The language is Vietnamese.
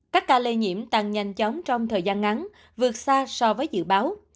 các ca lây nhiễm tăng nhanh chóng trong thời gian ngắn vượt xa so với dự báo